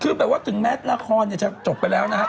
คือแบบว่าถึงแม้ละครจะจบไปแล้วนะฮะ